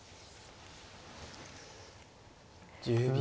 １０秒。